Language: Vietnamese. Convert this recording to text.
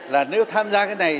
là nếu tham gia cái này